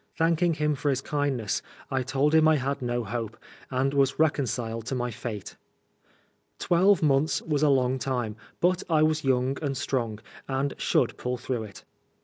Thanking him for his kindness, I told him I had no hope, and was reconciled to my fate. Twelve months was a long time, but I was young and strong, and should pull through it.